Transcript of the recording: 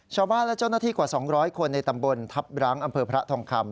ชาวบ้านและเจ้าหน้าที่กว่า๒๐๐คนในตำบลทัพร้างอำเภอพระทองคำ